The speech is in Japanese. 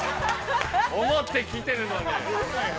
思って聞いてるのに。